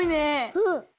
うん。